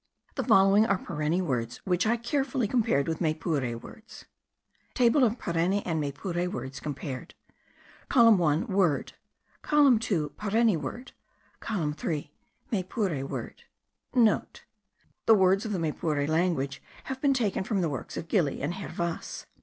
The following are Pareni words, which I carefully compared with Maypure words.* TABLE OF PARENI AND MAYPURE WORDS COMPARED. COLUMN 1 : WORD. COLUMN 2 : PARENI WORD. COLUMN 3 : MAYPURE WORD. (* The words of the Maypure language have been taken from the works of Gili and Hervas.